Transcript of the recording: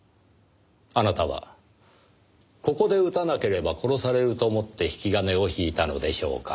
あなたはここで撃たなければ殺されると思って引き金を引いたのでしょうか？